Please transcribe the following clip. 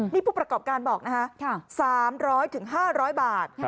นี่ผู้ประกอบการบอกนะคะ๓๐๐๕๐๐บาท